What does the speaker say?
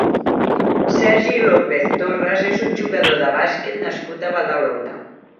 Sergi López Torras és un jugador de bàsquet nascut a Badalona.